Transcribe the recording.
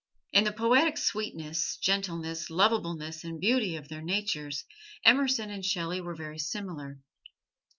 In the poetic sweetness, gentleness, lovableness and beauty of their natures, Emerson and Shelley were very similar.